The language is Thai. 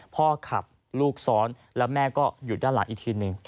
พ่อขับลูกซ้อนแล้วแม่ก็อยู่ด้านหลังอีกทีหนึ่ง